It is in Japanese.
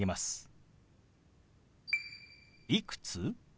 「いくつ？」。